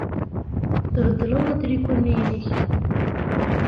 Tqelbeḍ atriku-nni-inek.